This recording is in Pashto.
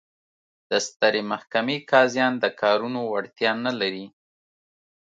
د سترې محکمې قاضیان د کارونو وړتیا نه لري.